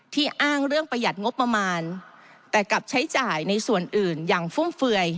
อ้างเรื่องประหยัดงบประมาณแต่กลับใช้จ่ายในส่วนอื่นอย่างฟุ่มเฟือย